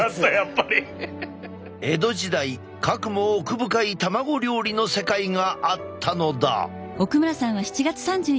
江戸時代かくも奥深い卵料理の世界があったのだ。